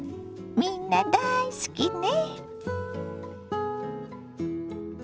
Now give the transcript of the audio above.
みんな大好きね。